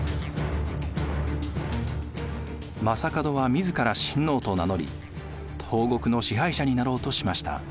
将門は自ら新皇と名乗り東国の支配者になろうとしました。